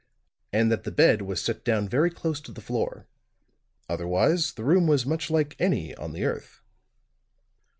] and that the bed was set down very close to the floor. Otherwise, the room was much like any on the earth.